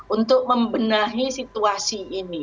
untuk membenahi situasi ini